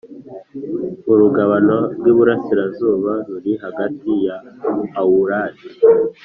Urugabano rw iburasirazuba ruri hagati ya Hawurad